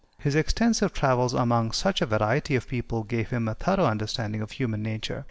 His extensive travels among such a variety of people gave him a thorough understanding of human nature.